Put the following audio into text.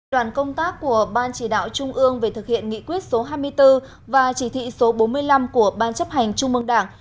đoàn công tác của ban chỉ đạo trung ương về thực hiện nghị quyết số hai mươi bốn và chỉ thị số bốn mươi năm của ban chấp hành trung mương đảng